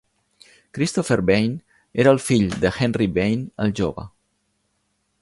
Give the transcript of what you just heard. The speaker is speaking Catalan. Christopher Vane era el fill de Henry Vane el Jove.